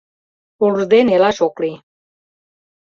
Пурлде нелаш ок лий.